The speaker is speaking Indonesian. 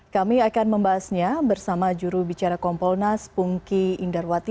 kami akan membahasnya bersama juru bicara kompolnas pungki indarwati